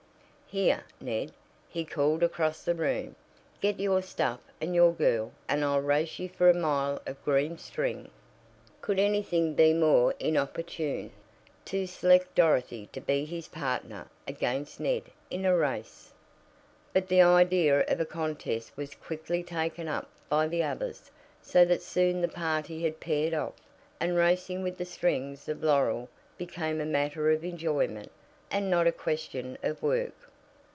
Here, Ned," he called across the room, "get your stuff and your girl, and I'll race you for a mile of green string." Could anything be more inopportune? To select Dorothy to be his partner against Ned in a race! But the idea of a contest was quickly taken up by the others, so that soon the party had paired off, and racing with the strings of laurel became a matter of enjoyment, and not a question of work.